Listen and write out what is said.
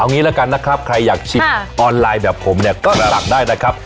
งี้ละกันนะครับใครอยากชิมออนไลน์แบบผมเนี่ยก็ตักได้นะครับ